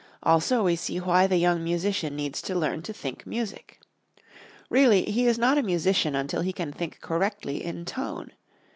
Also, we see why the young musician needs to learn to think music. Really, he is not a musician until he can think correctly in tone.